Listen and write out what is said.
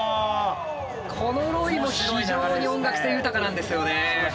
このロイも非常に音楽性豊かなんですよね。